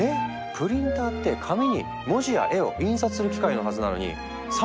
プリンターって紙に文字や絵を印刷する機械のはずなのに３次元のプリンター？